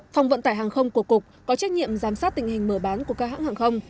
phòng vận tải hàng không của cục có trách nhiệm giám sát tình hình mở bán của các hãng hàng không